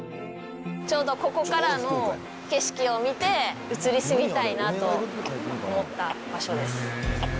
ちょうどここからの景色を見て、移り住みたいなと思った場所です。